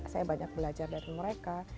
saya banyak belajar dari mereka